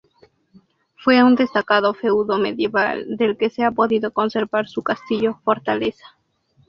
Fue un destacado feudo medieval del que se ha podido conservar su castillo-fortaleza.